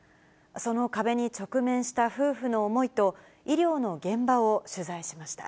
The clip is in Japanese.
その壁に直面した夫婦の思いと、医療の現場を取材しました。